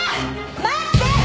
待って！